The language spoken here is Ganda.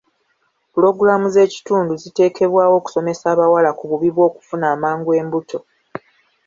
Pulogulaamu z'ekitundu ziteekebwawo okusomesa abawala ku bubi bw'okufuna amangu embuto.